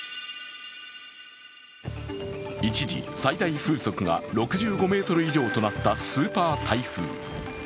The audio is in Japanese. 一時、最大風速が６５メートル以上となったスーパー台風。